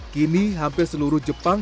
kini hampir seluruh jepang